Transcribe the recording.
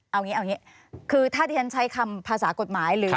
เอางี้คือถ้าฉันใช้คำภาษากฎหมาย